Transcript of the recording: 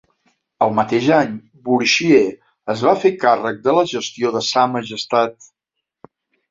El mateix any, Bourchier es va fer càrrec de la gestió de Sa Majestat.